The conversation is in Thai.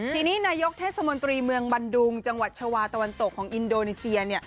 ทีนี้นายกเทศมนตรีเมืองบันดุงจังหวัดชาวาตะวันตกของอินโดนีเซีย